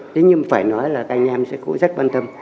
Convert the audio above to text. thế nhưng phải nói là anh em sẽ cũng rất quan tâm